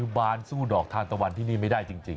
งานรู้โดงกลเตางกันทวนทีนี่ไม่ได้จริง